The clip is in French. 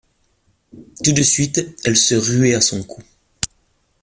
Tout de suite elle se ruait à son cou.